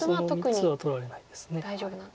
その３つは取られないです。